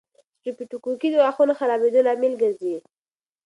سټریپټوکوکي د غاښونو خرابېدو لامل ګرځي.